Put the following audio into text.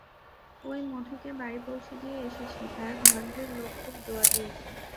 ওই মধুকে বাড়ি পৌছে দিয়ে এসেছি, তার ঘরেরে লোক খুব দোয়া দিয়েছে।